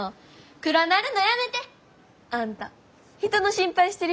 暗なるのやめて！あんた人の心配してる暇ないやろ。